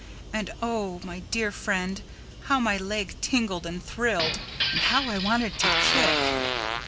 And, oh, my dear friend, how my leg tingled and thrilled, and how I wanted to kick!